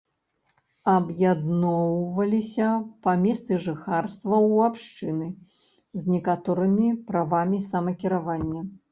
Аб'ядноўваліся па месцы жыхарства ў абшчыны з некаторымі правамі самакіравання.